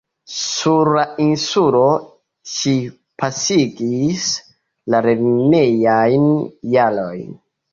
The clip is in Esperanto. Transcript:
Sur la insulo ŝi pasigis la lernejajn jarojn.